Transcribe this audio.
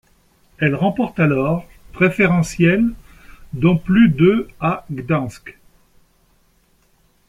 Elle remporte alors préférentiels, dont plus de à Gdańsk.